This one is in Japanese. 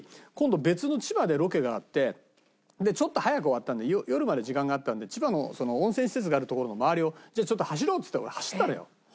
別の千葉でロケがあってちょっと早く終わったんで夜まで時間があったんで千葉の温泉施設がある所の周りをじゃあちょっと走ろうっつって俺走ったのよ。